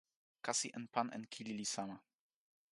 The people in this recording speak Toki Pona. kasi en pan en kili li sama.